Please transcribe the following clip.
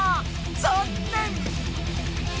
ざんねん！